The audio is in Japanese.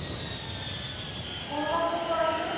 この学校から行く？